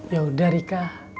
ya udah rika